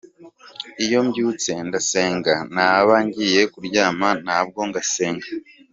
Iyo mbyutse ndasenga, naba ngiye kuryama nabwo ngasenga.